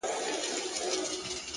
هوښیار انسان له وخت سره سم حرکت کوي!